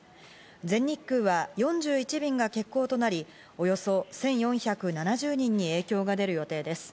全日空は４１便が欠航となり、およそ１４７０人に影響が出る予定です。